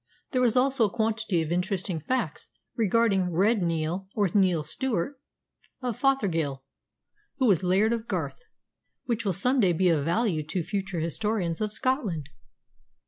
There are also a quantity of interesting facts regarding 'Red Neil,' or Neil Stewart of Fothergill, who was Laird of Garth, which will some day be of value to future historians of Scotland."